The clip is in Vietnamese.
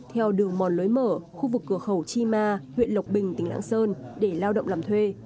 theo đường mòn lối mở khu vực cửa khẩu chi ma huyện lộc bình tỉnh lạng sơn để lao động làm thuê